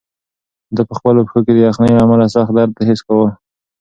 ده په خپلو پښو کې د یخنۍ له امله سخت درد حس کاوه.